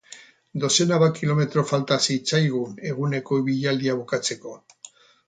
Dozena bat kilometro falta zitzaigun eguneko ibilaldia bukatzeko.